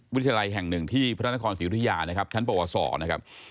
วิทยาลัยแห่งหนึ่งที่พระนครศรีอยุธยานะครับท่านประวัติศาสตร์นะครับ